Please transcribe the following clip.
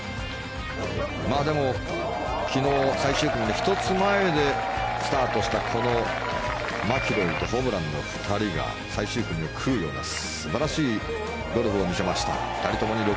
でも昨日最終組の１つ前でスタートしたこのマキロイとホブランの２人が最終組に来るような素晴らしいゴルフを見せました。